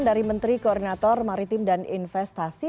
dari menteri koordinator maritim dan investasi